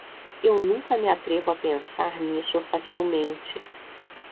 Eu nunca me atrevo a pensar nisso facilmente